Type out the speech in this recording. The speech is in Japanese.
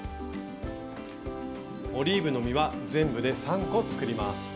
オリーブの実は全部で３個作ります。